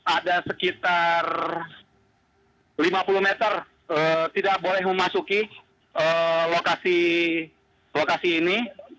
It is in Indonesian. ada sekitar lima puluh meter tidak boleh memasuki lokasi ini